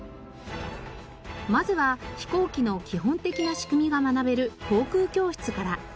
まずは飛行機の基本的な仕組みが学べる航空教室から。